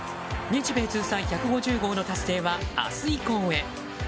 日米通算１５０号の達成は明日以降へ。